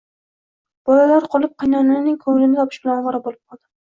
Bolalar qolib, qaynonaning ko`nglini topish bilan ovora bo`lib qoldim